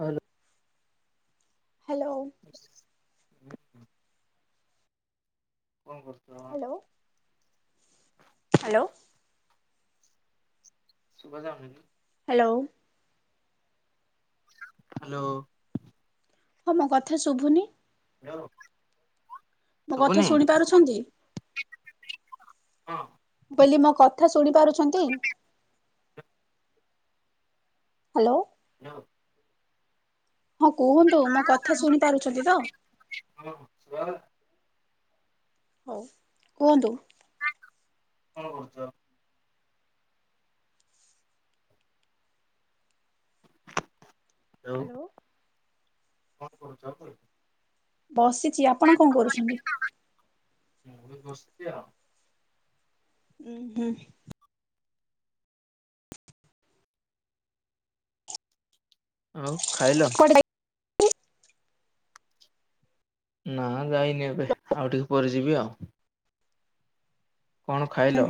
Hello hello. [unintelligible] କଣ କରୁଛ? Hello. Hello. ସୁୁଭ ଯାମିନି। ଅଉ। ହାଲୋ। ହଁ ମୋ କଥା ଶୁଭୁନି? ୟଓ। ମୋ କଥା ଶୁଣି ପାରୁଛନ୍ତି? ହଁ। ବୋଲି ମୋ କଥା ଶୁଣି ପାରୁଛନ୍ତି? ହାଲୋ‌। ୟୋ। ହଁ କୁହନ୍ତୁ ମୋ କଥା ଶୁଣି ପାରୁଛନ୍ତି ତ? ହଁ ଶୁଭାଗଲା? ହଉ କୁହନ୍ତୁ। କଣ କରୁଚ? Hello hello. କଣ କହୁଚ କୁଇ ବସିଚି ଆପଣ କଣ କରୁଛନ୍ତି? ମୁଁ ବି ବସିଚି ଆଉ। ଉଁ ହୁଁ। ଆଉ ଖାଇଲ? କୁଆଡେ ନା ଯାଇନି ଏବେ ଆଉ ଟିକେ ପରେ ଯିବି ଆଉ। କଣ ଖାଇଲ?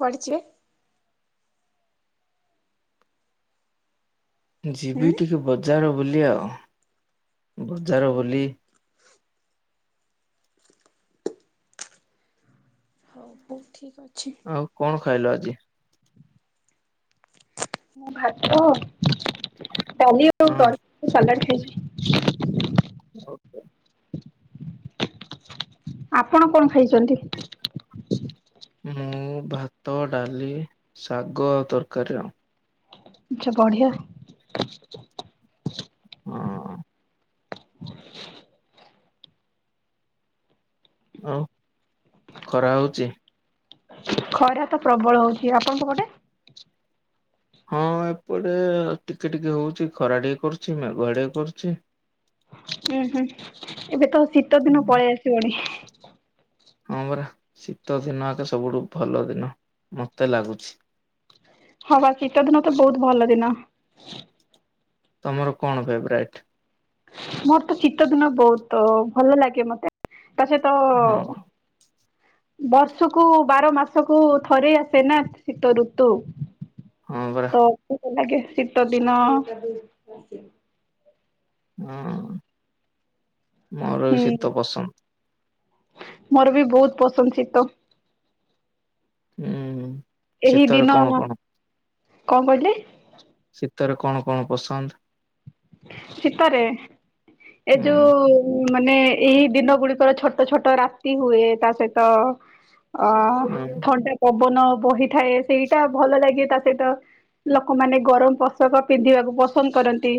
କୁଆଡେ ଚିଵେ? ଯିବି ହୁଁ ଟିକେ ବଜାର ବୁଲି ଆଉ ବଜାର ବୁଲି ହଉ ହଉ ଠିକ୍ ଅଛି ଆଉ କଣ ଖାଇଲ ଆଜି? ମୁଁ ଭାତ ଡାଲି ଆଉ ହଁ ତର ସାଲାଟ୍ ଖାଇଛି। [inaudible] ଓକେ। [inaudible] ଆପଣ କଣ ଖାଇଚନ୍ତି? ମୁଁ ଭାତ, ଡାଲି, ଶାଗ ଆଉ ତରକାରୀ ଆଉ। ଆଚ୍ଛା ବଢିଆ ଆଉ। ହଁ। ହ [unintelligible] ଆଉ ଖରା ହଉଚି? ଖରା ତ ପ୍ରବଳ ହଉଛି। ଆପଣଙ୍କ ପଟେ? ହଁ ଏପଟେ ଟିକେ ଟିକେ ହଉଛି। ଖରା ଟିକେ କରୁଛି ମେଘୁଆ ଟିକେ କରୁଛି [inaudible] ହୁଁ ହୁଁ। ଏବେ ତ ଶୀତ ଦିନ ପଳେଇ ଆସିବଣି। ହଁ ପରା, ଶୀତଦିନ ଏକା ସବୁଠୁ ଭଲ ଦିନ ମତେ ଲାଗୁଛି। ହଁ ବା ଶୀତଦିନ ତ ବହୁତ ଭଲ ଦିନ। ତମର କଣ ଫେବରାଇଟ? ମୋର ତ ଶୀତଦିନ ବହୁତ ଭଲ ଲାଗେ ମତେ ତା ସହିତ ହଁ ବର୍ଷକୁ ବାରମାସକୁ ଥରେ ଆସେ ନା ଶୀତଋତୁ ହଁ ପରା। ସେ ଲାଗେ ଶୀତଦିନ ହଁ ମୋର ହୁଁ ବି ଶୀତ ପସନ୍ଦ। ମୋର ବି ବହୁତ ପସନ୍ଦ ଶୀତ। ହୁଁ ହୁଁ। ଏହି ଶୀତରେ ଦିନ କଣ କଣ? କଣ କହିଲେ? ଶୀତରେ କଣ କଣ ପସନ୍ଦ? ଶୀତରେ? ଏ ହୁଁ ଯୋଉ ମାନେ ଏଇ ଦିନ ଗୁଡିକର ଛୋଟ ଛୋଟ ରାତି ହୁଏ, ତା ସହିତ ଅ ହୁଁ ଥଣ୍ଡା ପବ ବନ ବହିଥାଏ ସେଇଟା ଭଲ ଲାଗେ, ତା ସହିତ ଲୋକମାନେ ଗରମ ପୋଷାକ ପିନ୍ଧିବାକୁ ପସନ୍ଦ କରନ୍ତି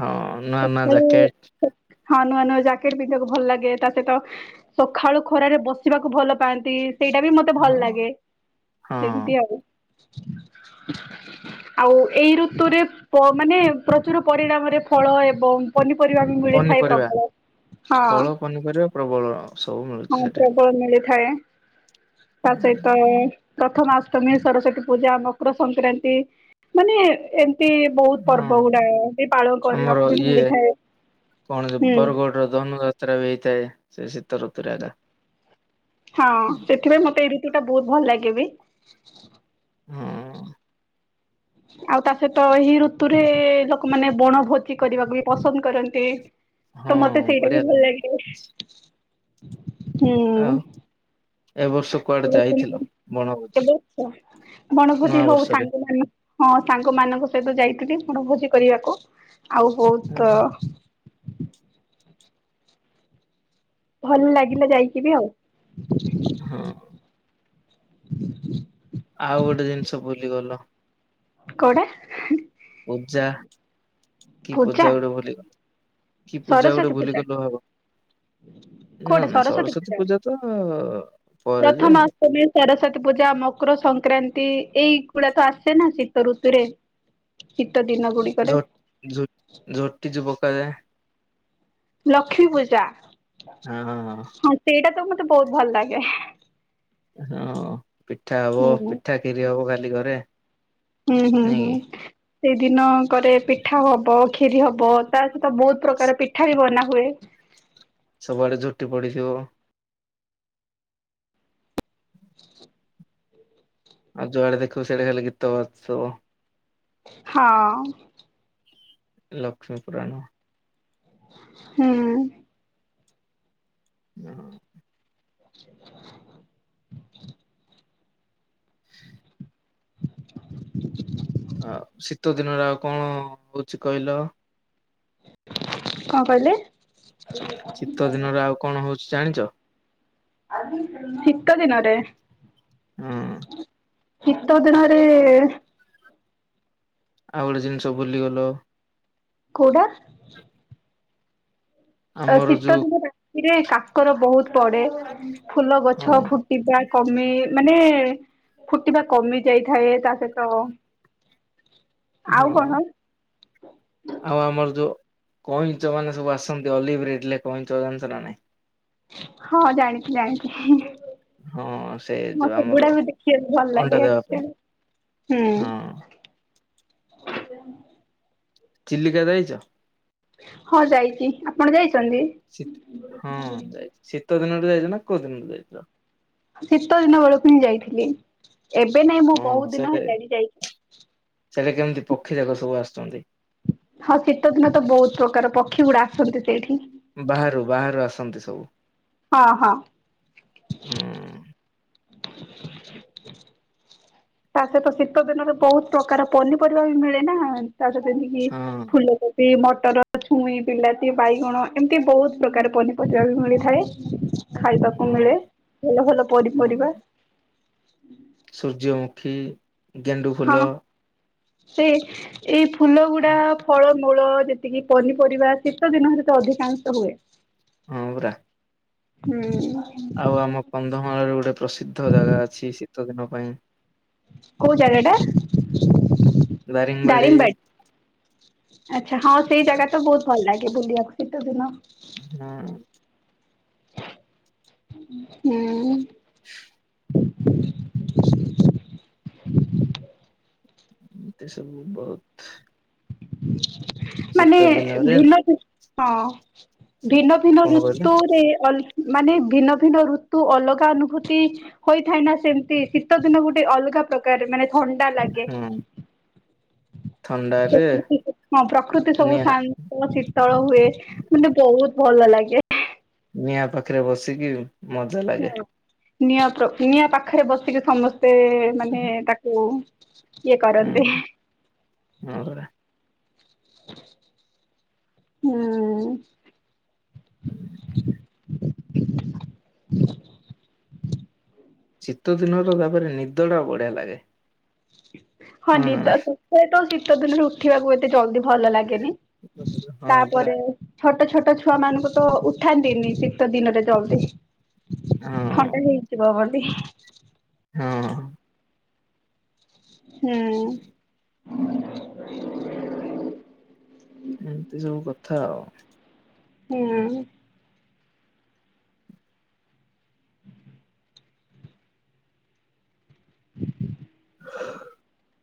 ହଁ। ନୂଆ ନୂଆ ସକାଳୁ ଜ୍ୟାକେଟ ହଁ ନୂଆ ନୂଆ ଜ୍ୟାକେଟ ପିନ୍ଧିବାକୁ ଭଲ ଲାଗେ। ତା ସହିତ ସଖାଳୁ ଖରାରେ ବସିବାକୁ ଭଲ ପାଆନ୍ତି। ସେଇଟା ବି ମତେ ଭଲ ହଁ ଲାଗେ ହଁ ସେମତି ଆଉ। ଆଉ ଏଇ ଋତୁରେ ପ ମାନେ ପ୍ରଚୁର ପରିଣାମରେ ଫଳ ଏବଂ ପନିପରିବା ବି ମିଳିଥାଏ ପନିପରିବା ପ୍ରବଳ। ହଁ ଫଳ ପନିପରିବା ପ୍ରବଳ ସବୁ ମିଳୁଛି ସେଠି। ଥାଏ। ତା ହୁଁ, ସହିତ ପ୍ରଥମାଷ୍ଟମୀ, ସରସ୍ଵତୀ ପୂଜା, ମକର ସଂକ୍ରାନ୍ତି, ମାନେ ଏମ୍ ସେ ବହୁତ ହଁ ପର୍ବ ଗୁଡାକ ଆମର ଇଏ କଣ ହୁଁ ବରଗଡ଼ର ଧନୁଯାତ୍ରା ବି ହେଇଥାଏ ସେ ଶୀତ ଋତୁରେ ଆଟା। ହଁ ସେଥିପାଇଁ ମତେ ଏଇ ଋତୁଟା ବହୁତ ଭଲ ଲାଗେ ବିି ହଁ। ଆଉ ତା ସହିତ ଏହି ଋତୁରେ ଲୋକମାନେ ବଣ ଭୋଜି କରିବାକୁ ବି ପସନ୍ଦ କରନ୍ତି। ହଁ ତ ମତେ ସେଇଟା ବଢିଆ ବି ଭଲ ଲାଗେ। ହୁଁ। ଆଉ ଏ ବର୍ଷ କୁଆଡେ ଯାଇଥିଲ? ଏ ବଣଭୋଜି ବର୍ଷ, ନୂଆ ବଣଭୋଜି ହଉ ବର୍ଷରେ? ସାଙ୍ଗମାନ ହଁ ସାଙ୍ଗମାନଙ୍କ ସହିତ ଯାଇଥିଲି ବଣଭୋଜି କରିବାକୁ ଆଉ ବହୁତ ହଁ ଭଲ ଲାଗିଲା ଯାଇକି ବି ଆଉ। ହଁ। ହୁଁ ହ ଆଉ ଗୋଟେ ଜିନିଷ ଭୁଲିଗଲ? କୋଉଟା? ହିଁ ପୂଜା କି ପୂଜା ଗୋଟେ ଭୁଲିଗଲି। କି ପୂଜା ଗୋଟେ ସରସ୍ଵତୀ ଭୁଲିଗଲୁ ଆଉ। କୁଆଡ଼େ ସରସ୍ଵତୀ ପୂଜା ପରେ ଯେ ପ୍ରଥମା ଅଷ୍ଟମୀ ସରସ୍ଵତୀ ପୂଜା ମକର ସ ସଂକ୍ରାନ୍ତି ଏଇଗୁଡା ତ ଆସେ ନା ଶୀତ ଋତୁରେ। ଶୀତ ଦିନ ଗୁଡିକରେ ଝୋ ଝୋ [unintelligible] ଲକ୍ଷ୍ମୀ ପୂଜା ହଁ ସେଇଟା ତମ ବହୁତ ଭଲ ଲାଗେ। ହଁ ପିଠା ହବ ହୁଁ ପିଠା ଖିରି ହବ ଖାଲି ଘରେ। ହୁଁ ହୁଁ ହୁଁ ନାଇଁ କି? ସେଇଦିନ କରେ ପିଠା ହବ ଖିରି ହବ ତା ତ ବହୁତ ପ୍ରକାର ପିଠା ବି ବନାହୁଏ। ସବୁ ଆଡେ ଝୋଟି ପଡିଥିବ। ଆଉ ଯୁଆଡେ ଦେଖିବୁ ସିଆଡେ ଖାଲି ଗୀତ ବଜୁଥିବ। ହଁ। ଲକ୍ଷ୍ମୀପୁରାଣ ହୁଁ। [unintelligible] ଆଉ ଶୀତ ଦିନରେ ଆଉ କଣ ହଉଛି କହିଲ? କଣ କହିଲେ? ଶୀତ ଦିନରେ ଆଉ କଣ ହଉଛି ଜାଣିଛ? ସିତ ଦିନରେ? ହଁ। ସିତ ଦିନରେ ଆଉ ଗୋଟେ ଜିନିଷ ଭୁଲି ଗଲ। କୋଉଟା? ଆମର ଶୀତ ଯୋଉ ଦିନ ରାତିରେ କାକର ବହୁତ ପଡେ। ଫୁଲ ଗଛ ହଁ ଫୁଟିବା କ ମାନେ ଫୁଟିବା କମି ଯାଇଥାଏ ତା ସହିତ ହଁ ଆଉ କଣ ଆଉ ଆମର ଯୋଉ କଇଁଚ ମାନ ସବୁ ଆସନ୍ତି ଆଲିଭ୍ ରିଡଲେ କଇଁଚ ଜାଣିଛ ନା ନାହିଁ। ହଁ ଜାଣିଛି ଜାଣିଛି। ହଁ ସେଇ ଯୋଉ ମତେ ଆମର ଏଗୁଡାକ ଦେଖିବାକୁ ଭଲ ଅଣ୍ଡା ଲାଗେ ଦେବା ପାଇଁ। ଆକ୍ଚୁଆଲି। ହୁଁ ହଁ। [unintelligible] ଚିଲିକା ଯାଇଚ? ହଁ ଯାଇଛି ଆପଣ ଯାଇ ଶି ହଁ ଯାଇଛି ଶୀତ ଦିନରେ ଯାଇଛ ନା କୋଉ ଦିନରେ ଯାଇଥିଲ? ଶୀତ ଦିନ ବେଳକୁ ହିଁ ଯାଇଥିଲି। ଏବେ ନାଇଁ ମୁଁ ହଁ ବହୁତ ଦିନ ସେଇଟା ହେଲାଣି ସେଟା କେମିତି ଯାଇ ପକ୍ଷୀ ଯାକ ସବୁ ଆସୁଛନ୍ତି ହଁ ଶୀତ ଦିନ ତ ବହୁତ ପ୍ରକାର ପକ୍ଷୀ ଗୁଡ଼ା ଆସନ୍ତି ସେଇଠି। ବାହାରୁ ବାହାରୁ ଆସନ୍ତି ସବୁ। ହଁ ହଁ। ହୁଁ। ତା ସହିତ ଶୀତ ଦିନରେ ବହୁତ ପ୍ରକାର ପନିପରିବା ବି ମିଳେ ନା ତା ସହିତ ଏମିତି କି ହଁ ଫୁଲକୋବି ମ ଟର ଛୁଇଁ ବିଲାତି ବାଇଗଣ ଏମିତି ବହୁତ ପ୍ରକାର ପନି ପରିବା ବି ହଁ ମିଳିଥାଏ ଖାଇବାକୁ ହଁ ମିଳେ ଭଲ ଭଲ ହଁ ପନିପରିବା। ହୁଁ ସୂର୍ଯ୍ୟମୁଖୀ ଗେଣ୍ଡୁ ହଁ ଫୁଲ ସେ ଏଇ ଫୁଲ ଗୁଡା ଫଳମୂଳ ଯେତିକି ପନିପରିବା ଶୀତ ଦିନରେ ତ ଅଧିକାଂଶ ହୁଏ। ହଁ ପରା। ହୁଁ। ଆଉ ଆମ କନ୍ଧମାଳରେ ଗୋଟେ ପ୍ରସିଦ୍ଧ ଜାଗା ଅଛି ଶୀତଦିନ ପାଇଁ। କୋଉ ଜାଗାଟା? ଦାରିଙ୍ଗବାଡ଼ି। ଆଚ୍ଛା ହଁ ସେଇ ଜାଗା ତ ବହୁତ ଭଲ ଲାଗେ ବୁଲିବାକୁ ଶୀତ ଦିନ। ହଁ ହୁଁ। ଆ ଏତେ ସବୁ ବହୁତ। ମାନେ ଶୀତ ଦିନରେ ଭିନ୍ନ ହଁ। ଭିନ୍ନ ଭିନ୍ନ କଣ କହିଲେ ଋତୁରେ ଅ ମାନେ ଭିନ୍ନ ଭିନ୍ନ ଋତୁ ଅଲଗା ଅନୁଭୂତି ହୋଇଥାଏ ନା ସେମତି ଶୀତ ଦିନ ଗୋଟେ ଅଲଗା। ପ୍ରକାର ମାନେ ଥଣ୍ଡା ଲାଗେ। ହୁଁ ଥଣ୍ଡାରେ ହଁ ପ୍ରକୃତି ସବୁ ନିଆଁ ଶାନ୍ତ ଶୀତଳ ହୁଏ ମାନେ ବହୁତ ଭଲ ଲାଗେ। ନିଆଁ ପାଖରେ ବସିକି ମଜା ଲାଗେ। ହୁଁ। ନିଆଁ ନିଆଁ ପାଖରେ ବସିକି ସମସ୍ତେ ମାନେ ତାକୁ- ଇଏ ହୁଁ କରନ୍ତି। ହଁ ପରା। ହୁଁ। ଶୀତଦିନର ତାପରେ ନିଦ ଟା ବଢ଼ିଆ ଲାଗେ। ହଁ ନା ନିଦ ନାଇଁ ଶତ ତ ଶୀତ ଦିନରେ ଉଠିବାକୁ ଏତେ ଜଲ୍ଦି ଭଲ ଲାଗେନି। ହଁ ପରା। ତାପରେ ଛୋଟ ଛୋଟ ଛୁଆ ମାନଙ୍କୁ ତ ଉଠାନ୍ତିନି ଶୀତ ଦିନରେ ଜଲ୍ଦି। ହଁ ଥଣ୍ଡା ହେଇଯିବ ବୋଲି। ହଁ। ହୁଁ। ଏମିତି ସବୁ କଥା ଆଉ। ହୁଁ। [inaudible]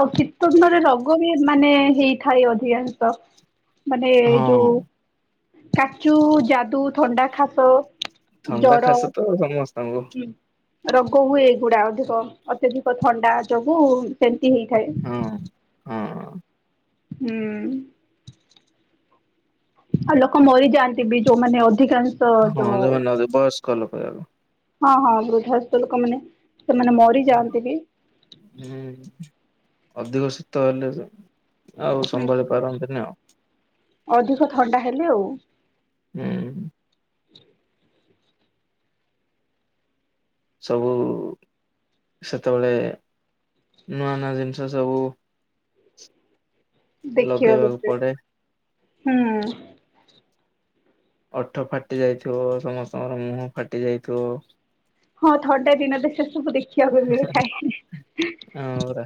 ଆଉ ଶୀତ ଦିନ ରେ ରୋଗ ବି ମାନେ ହେଇଥାଏ ଅଧିକାଂଶ। ମାନେ ହଁ ଯୋଉ କାଚୁ ଯାଦୁ ଥଣ୍ଡା ଖାସ ଥଣ୍ଡା ଜର ଖାସ ତ ହୁଁ। ସମସ୍ତଙ୍କୁ ରୋଗ ହୁଏ ଏଇଗୁଡା ଅଧିକ ଅତ୍ୟଧିକ ଥଣ୍ଡା ଯୋଗୁ ହେଇ ଥାଏ। ହଁ ହଁ ହୁଁ ଆ ଲୋକମ ମରି ଜାନ୍ତି ବି ଯୋ ମାନେ ଅଧିକାଂଶ ଯଉ କଲ କ ଆ ହଁ ହଁ ବୃଦ୍ଧସ୍ଥ ଲୋକମାନେ। ସେମାନେ ମରିଯାଆନ୍ତି ବି। ହଁ ଅଧିକ ଶୀତ ହେଲେ ଆଉ ହୁଁ ସମ୍ବଳି ପାରନ୍ତିନେ ଆଉ। ଅଧିକ ଥଣ୍ଡା ହେଲେ ଆଉ। ହୁଁ। ସବୁ ସେତେବେଳେ ନୂଆ ନୂଆ ଜିନିଷ ସବୁ। ଦେଖିବାକୁ ଲଗେଇବାକୁ ପଡେ। ହୁଁ ଓଠ ଫାଟି ଯାଇଥିବ, ସମସ୍ତଙ୍କର ମୁହଁ ଫାଟି ଯାଇଥିବ ହଁ ଥଣ୍ଡା ଦିନ ତ ସେ ସବୁ ଦେଖିବାକୁ ମିଳେ, ଖାଇ ହଁ ପରା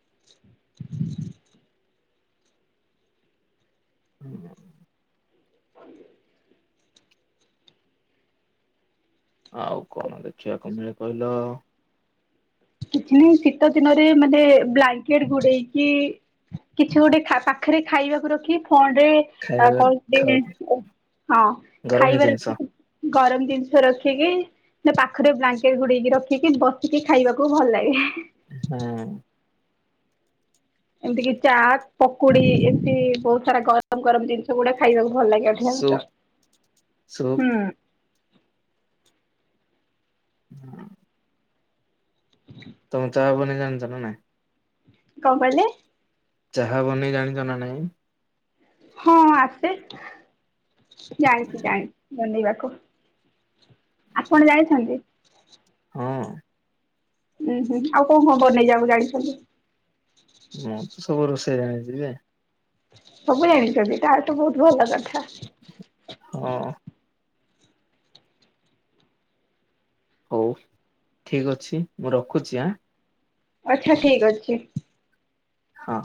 [inaudible] ହୁଁ [unintelligible] ହଞ [unintelligible] ଆଉ କଣ ଦେଖିବାକୁ ମିଳେ, କହିଲ? କିଛି ନାହିଁ ଶୀତ ଦିନରେ ମାନେ, ବ୍ଲାଙ୍କେଟ ଗୋଡେଇକି କିଛି ଗୋଟେ ପାଖରେ ଖାଇବାକୁ ରଖି ଫଣରେ [unintelligible] ଖାଇବାରେ କଣ ଖାଉ ହଁ ଗରମ ଖାଇବାର ଜିନିଷ ଗରମ ଜିନିଷ ରଖିକି, ନା ପାଖରେ ବ୍ଲାଙ୍କେଟ ଗୁଡକି ରଖିକି, ବସିକି ଖାଇବାକୁ ଖୁବ ଭଲ ଲାଗେ। ହଁ ଏମତି କି ଚା ପକୁଡି, ଏମତି ବହୁତ ସାରା ଗରମ ଗରମ ଜିନିଷ ଗୁଡା ଖାଇବାକୁ ଭଲ ଲାଗେ, ଠ ସୁପ୍ ତ ସୁପ୍ [unintelligible] ହୁଁ। ହଁ। [unintelligible] ତମେ ଚା ବନେଇ ଜାଣିଚ ନା ନାଇଁ? କଣ କହିଲେ? ଚାହା ବନେଇ ଜାଣିଛ ନା ନାଇଁ? ହଁ ଆସେ, ଜାଣିଛି ଜାଣିଛି ବନେଇବା ଆପଣ ଜାଣିଚନ୍ତି? ହଁ ଉୁଁ, ହୁଁ, ଆଉ କଣ ଖବର ନେଇ ଯାଉ ଜାଣି [unintelligible] ମୁଁ ତ ସବୁ ରୋଷେଇ ଜାଣିଛିି ଯେ ସବୁ ଜାଣିଛନ୍ତି? ତାର ତ ବହୁତ ଭଲ କଥା ହଁ ହଉ ଠିକ ଅଛି, ମୁଁ ରଖୁଛି ଆଁ ଆଛା, ଠିକ ଅଛି। ହଁ।